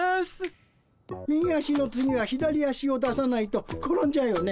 「右足の次は左足を出さないと転んじゃうよね」